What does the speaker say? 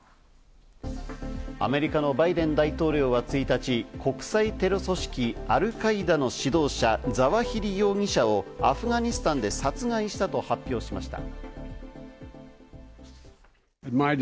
アメリカのバイデン大統領は１日、国際テロ組織・アルカイダの指導者・ザワヒリ容疑者をアフガニスタンで殺害したと発表しました。